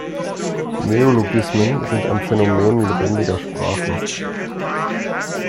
Neologismen sind ein Phänomen lebendiger Sprachen.